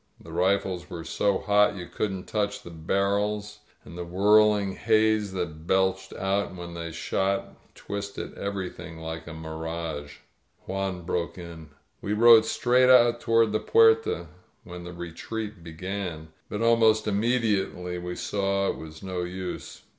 The rifles were so hot you couldn't touch the barrels, and the whirling haze that belched out when they shot twisted everything like a mir age. •••^^^ Juan broke in. We rode straight out toward the Puerta when the retreat began, but almost immediately 10« ELIZABETTA we saw it was no use.